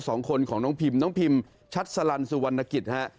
สองคนของน้องพิมน้องพิมชัดสลันสุวรรณกิจฮะ